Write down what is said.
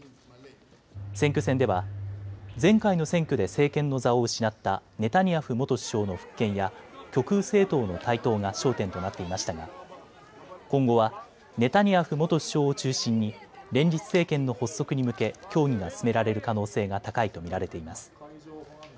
選挙戦では前回の選挙で政権の座を失ったネタニヤフ元首相の復権や極右政党の台頭が焦点となっていましたが今後はネタニヤフ元首相を中心に連立政権の発足に向け協議が進められる可能性が高いと見られています。